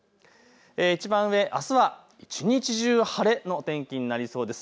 いちばん上、あすは一日中晴れの天気になりそうです。